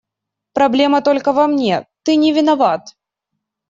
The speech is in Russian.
Проблема только во мне, ты не виноват.